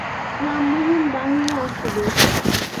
রামমোহন বাহিরে আসিল।